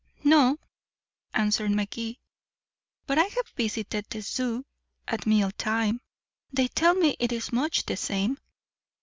"No," answered Magee, "but I have visited the Zoo at meal time. They tell me it is much the same."